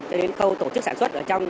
đến những khâu tổ chức sản xuất ở trong